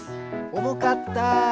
おもかった。